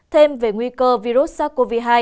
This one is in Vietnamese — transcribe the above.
thêm về nguy cơ virus sars cov hai